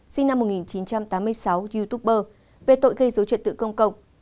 sinh năm một nghìn chín trăm tám mươi sáu youtuber về tội gây dấu chuyện tự công cộng